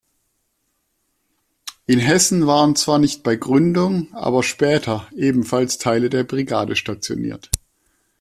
In Hessen waren zwar nicht bei Gründung aber später ebenfalls Teile der Brigade stationiert.